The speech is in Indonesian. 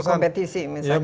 jadi berkompetisi misalnya